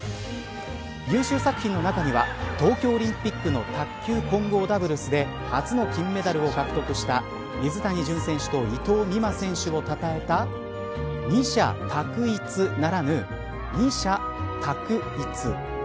優秀作品の中には東京オリンピックの卓球混合ダブルスで初の金メダルを獲得した水谷隼選手と伊藤美誠選手をたたえた二者択一ならぬ二者卓逸。